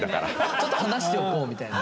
ちょっと離しておこうみたいな。